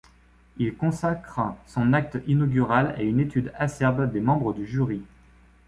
Il consacre son acte inaugural à une étude acerbe des membres du jury.